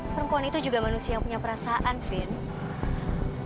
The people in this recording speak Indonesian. perempuan itu juga manusia yang punya perasaan fin